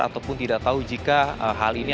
ataupun tidak tahu jika hal ini